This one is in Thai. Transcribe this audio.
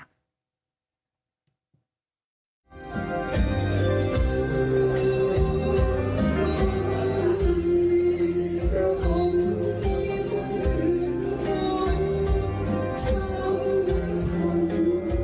นี้